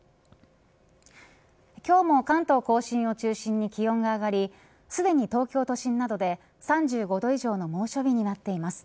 今日も関東甲信を中心に気温が上がりすでに東京都心などで３５度以上の猛暑日となっています。